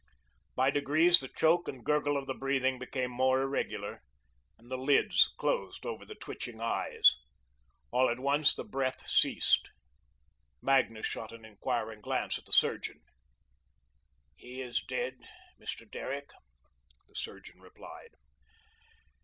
By degrees the choke and gurgle of the breathing became more irregular and the lids closed over the twitching eyes. All at once the breath ceased. Magnus shot an inquiring glance at the surgeon. "He is dead, Mr. Derrick," the surgeon replied.